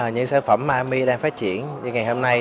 những sản phẩm army đang phát triển ngày hôm nay